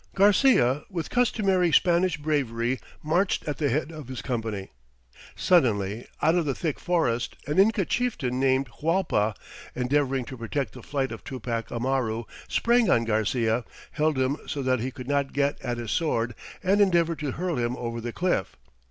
Garcia, with customary Spanish bravery, marched at the head of his company. Suddenly out of the thick forest an Inca chieftain named Hualpa, endeavoring to protect the flight of Tupac Amaru, sprang on Garcia, held him so that he could not get at his sword and endeavored to hurl him over the cliff.